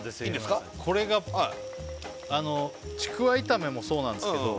これがちくわ炒めもそうなんですけど